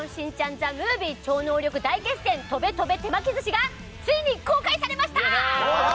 ＴＨＥＭＯＶＩＥ超能力大決戦とべとべ手巻き寿司」がついに公開されました！